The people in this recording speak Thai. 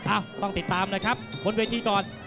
อ้าวต้องติดตามเลยครับบนเวที่ก่อน